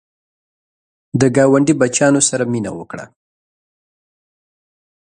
د ګاونډي بچیانو سره مینه وکړه